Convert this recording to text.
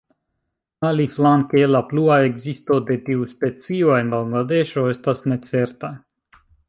Aliflanke la plua ekzisto de tiu specio en Bangladeŝo estas necerta.